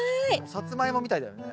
サツマイモみたいだよね。